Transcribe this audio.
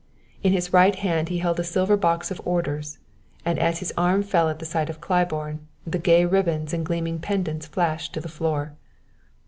In his right hand he held a silver box of orders, and as his arm fell at the sight of Claiborne, the gay ribbons and gleaming pendants flashed to the floor.